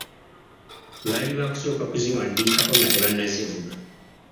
Baali bakusooka kuziwandiikako nga tebanazivuga.